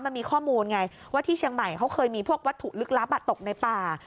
มันมีข้อมูลไงว่าที่เชียงใหม่เขาเคยมีพวกวัตถุลึกลับตกในป่า